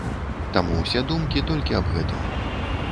Таму ўсе думкі толькі аб гэтым.